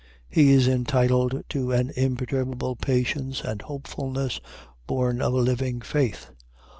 He is entitled to an imperturbable patience and hopefulness, born of a living faith.